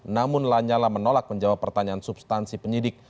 namun lanyala menolak menjawab pertanyaan substansi penyidik